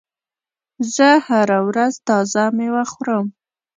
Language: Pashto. زه هره ورځ تازه میوه خورم.